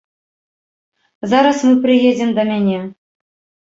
Зараз мы прыедзем да мяне.